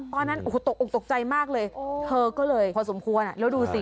ตอนนั้นโอ้โหตกออกตกใจมากเลยเธอก็เลยพอสมควรแล้วดูสิ